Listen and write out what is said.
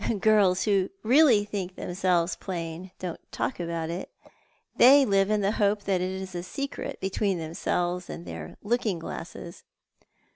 " Girls who really think themselves plain dou't talk about it. They live in the hope that it is a secret between themselves and their looking glasses."